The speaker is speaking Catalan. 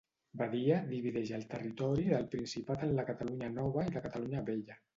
Badia divideix el territori del Principat en la Catalunya Nova i la Catalunya Vella.